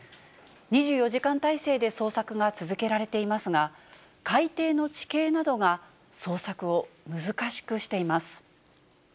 ２４時間態勢で捜索が続けられていますが、海底の地形などが捜索を難しくしています。